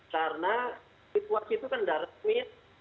karena situasi itu kan dalam resmi